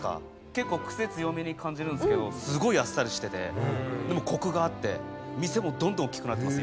結構クセ強めに感じるんですけどすごいあっさりしててでもコクがあって店もどんどん大きくなってます